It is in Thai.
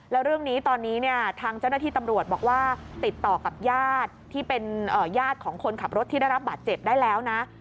แล้วเรื่องนี้ตอนนี้เนี่ยทางเจ้าหน้าที่ตำรวจบอกว่าติดต่อกับญาติที่เป็นญาติของคนขับรถที่ได้รับบาดเจ็บได้แล้วนะ